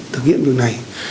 thực hiện điều này